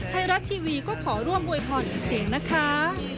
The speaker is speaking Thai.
ไทยรัฐทีวีก็ขอร่วมอวยพรอีกเสียงนะคะ